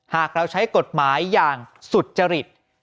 หากเราใช้กฎหมายอย่างสุจริต